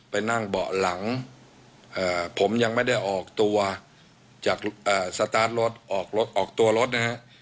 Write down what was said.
ไปนั่งเบาะหลังผมยังไม่ได้ออกตัวจากสตาร์ทรถออกรถออกตัวรถนะฮะ